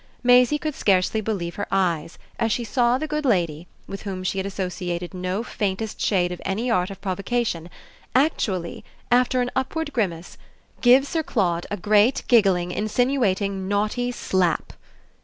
Maisie could scarcely believe her eyes as she saw the good lady, with whom she had associated no faintest shade of any art of provocation, actually, after an upward grimace, give Sir Claude a great giggling insinuating naughty slap.